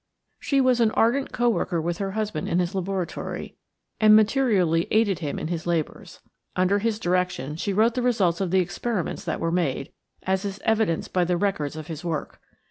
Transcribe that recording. She was an ardent co worker with her husband in his laboratory and materially aided him in his labors. Under his direction she wrote the results of the experiments that were made, as is evidenced by the records of his work.